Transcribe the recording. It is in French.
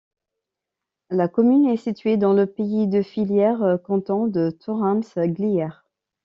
La commune est située dans le pays de Fillière, canton de Thorens-Glières.